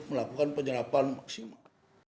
melakukan penyerapan maksimal